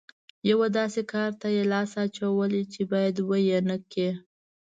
یوه داسې کار ته یې لاس اچولی چې بايد ويې نه کړي.